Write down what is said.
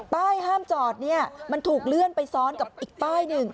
ป้ายห้ามจอดเนี่ยมันถูกเลื่อนไปซ้อนกับอีกป้ายหนึ่ง